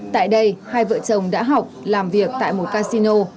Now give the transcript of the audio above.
tại đây hai vợ chồng đã học làm việc tại một casino